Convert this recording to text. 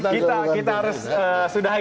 kita harus sudah hitung